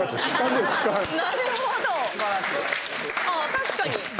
確かに。